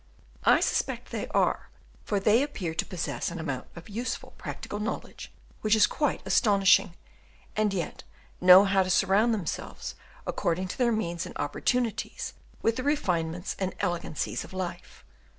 I suspect they are, for they appear to possess an amount of useful practical knowledge which is quite astonishing, and yet know how to surround themselves, according to their means and opportunities, with the refinements and elegancies of life.